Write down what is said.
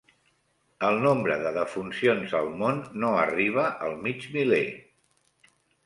El nombre de defuncions al món no arriba al mig miler.